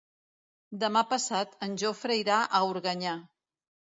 Demà passat en Jofre irà a Organyà.